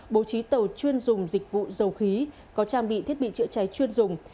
bố trí tàu chuyên dùng dịch vụ dầu khí có trang bị thiết bị chữa cháy chuyên dùng